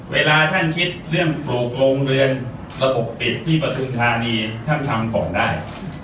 เวลาท่านคิดเรื่องปลูกโรงเรือนระบบปิดที่ปฐุมธานีท่านทำของได้